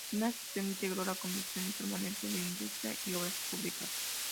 En su gestión, integró la Comisión Permanente de Industria y Obras Públicas.